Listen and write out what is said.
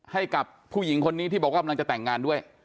ให้กับผู้หญิงคนนี้ที่บอกว่ากำลังจะแต่งงานด้วย